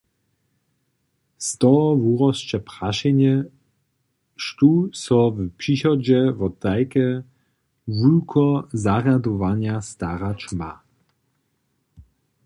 Z toho wurosće prašenje, štó so w přichodźe wo tajke wulkozarjadowanja starać ma.